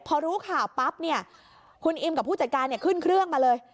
พอรู้ข่าวปั๊บเนี่ยคุณอิมกับผู้จัดการขึ้นเครื่องมาเลย